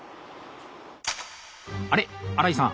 あれっ荒井さん